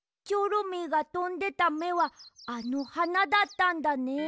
チョロミーがとんでためはあのはなだったんだね。